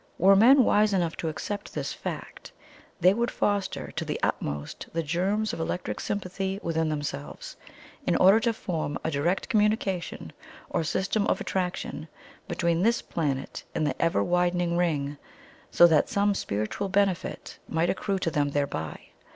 Were men wise enough to accept this fact, they would foster to the utmost the germs of electric sympathy within themselves, in order to form a direct communication, or system of attraction, between this planet and the ever widening Ring, so that some spiritual benefit might accrue to them thereby.